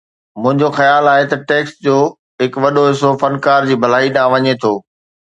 منهنجو خيال آهي ته ٽيڪس جو هڪ وڏو حصو فنڪار جي ڀلائي ڏانهن وڃي ٿو